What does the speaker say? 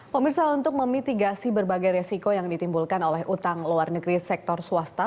pemirsa untuk memitigasi berbagai resiko yang ditimbulkan oleh utang luar negeri sektor swasta